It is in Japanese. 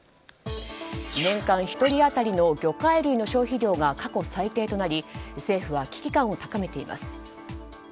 年間１人当たりの魚介類の消費量が過去最低となり政府は危機感を高めています。